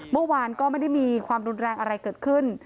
เมื่อวานก็ไม่ได้มีความรุนแรงอะไรเกิดขึ้น